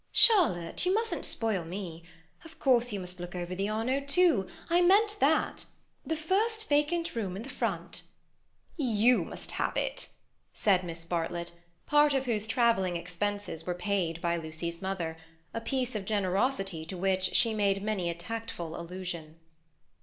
"Charlotte, you mustn't spoil me: of course, you must look over the Arno, too. I meant that. The first vacant room in the front—" "You must have it," said Miss Bartlett, part of whose travelling expenses were paid by Lucy's mother—a piece of generosity to which she made many a tactful allusion.